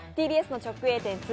ＴＢＳの直営店